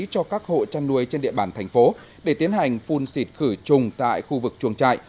cho các hộ chăn nuôi trên địa bàn thành phố để tiến hành phun xịt khử trùng tại khu vực chuồng trại